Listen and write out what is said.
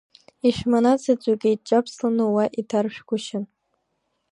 Ишәманаҭ заҵәык еидҷаԥсланы уа иҭаршәгәышьан.